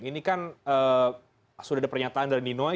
ini kan sudah ada pernyataan dari nino ika rundeng